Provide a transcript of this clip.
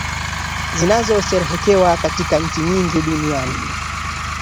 zinazosheherekewa katika nchi nyingi duniani